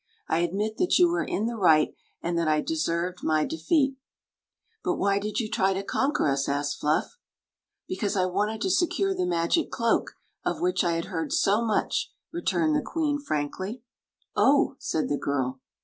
" I admit that you were in the right, and that I deserved my defeat" " But why did you try to conquer us? a^ed Fluff " Because I wanted to secure the magic cloak, of which I had heard so much," returned the queen, frankly. "Oh!" said the girl.